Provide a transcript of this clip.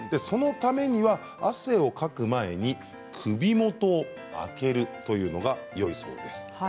そのためには汗をかく前に首元を開けるというのがいいそうです。